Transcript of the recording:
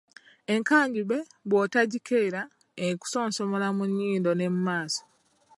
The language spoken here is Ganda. Enkajumbe bw'otagikeera ekusonsomola mu nnyindo ne mu maaso.